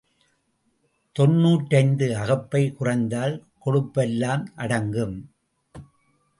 தொன்னூற்றைந்து அகப்பை குறைந்தால் கொழுப்பெல்லாம் அடங்கும்.